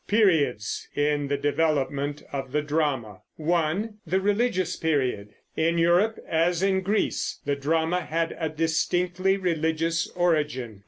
PERIODS IN THE DEVELOPMENT OF THE DRAMA 1. THE RELIGIOUS PERIOD. In Europe, as in Greece, the drama had a distinctly religious origin.